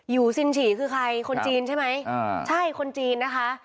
ซินฉี่คือใครคนจีนใช่ไหมอ่าใช่คนจีนนะคะ